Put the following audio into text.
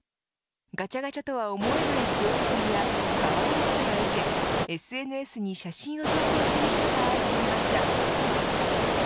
ガチャガチャとは思えないクオリティーやかわいらしさが受けＳＮＳに写真を投稿する人が相次ぎました。